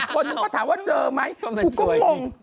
คนหนึ่งก็ถามว่าเจอไหมกูก็งง